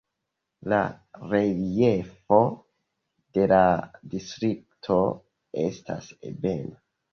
La reliefo de la distrikto estas ebena.